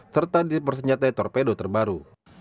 serta dipersenjatai torpedo terbaru